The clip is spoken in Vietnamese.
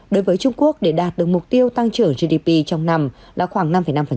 đối với trung quốc để đạt được mục tiêu tăng trưởng gdp trong năm là khoảng năm năm